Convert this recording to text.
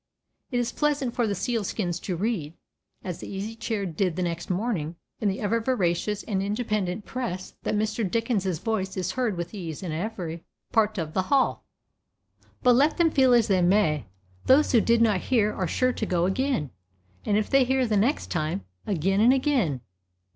It is pleasant for the Sealskins to read, as the Easy Chair did the next morning, in the ever veracious and independent press, that Mr. Dickens's voice is heard with ease in every part of the hall. But let them feel as they may, those who did not hear are sure to go again, and if they hear the next time, again and again.